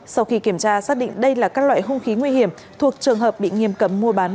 sau khi kiểm tra xác định đây là các loại hung khí nguy hiểm thuộc trường hợp bị nghiêm cấm mua bán